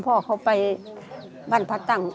พ่อเขาไปบ้านพระตั้ง